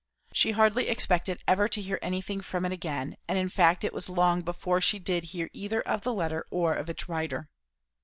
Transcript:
She hardly expected ever to hear anything from it again; and in fact it was long before she did hear either of the letter or of its writer.